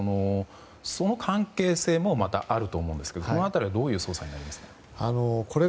その関係性もまたあると思いますがその辺りはどういう捜査になりますか？